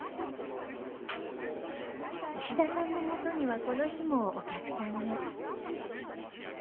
石田さんの元にはこの日もお客さんが